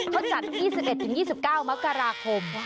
เขาจัด๒๑๒๙มกราคม